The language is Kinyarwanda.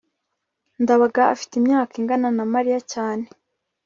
ndabaga afite imyaka ingana na mariya cyane